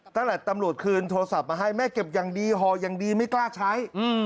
ตำรวจคืนโทรศัพท์มาให้แม่เก็บอย่างดีห่ออย่างดีไม่กล้าใช้